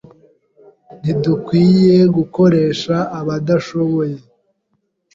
Ntidukwiye gukoresha abadashoboye